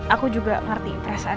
aku juga ngerti perasaan